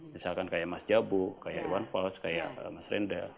misalkan kayak mas jabu kayak irwan pols kayak mas renda